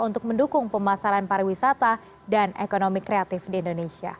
untuk mendukung pemasaran pariwisata dan ekonomi kreatif di indonesia